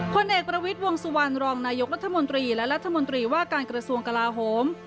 ผลเอกประวิทย์วงสุวรรณรองนายกรัฐมนตรีและรัฐมนตรีว่าการกระทรวงกลาโหม